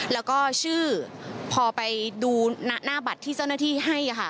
แล้วก็ชื่อพอไปดูหน้าบัตรที่เจ้าหน้าที่ให้ค่ะ